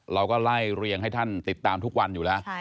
เราก็ไล่เรียงให้ท่านติดตามทุกวันอยู่แล้ว